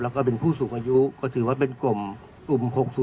แล้วก็เป็นผู้สูงอายุก็ถือว่าเป็นกลุ่ม๖๐